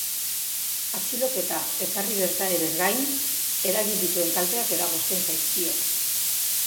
Atxiloketa ekarri gertaerez gain, eragin dituen kalteak egozten zaizkio.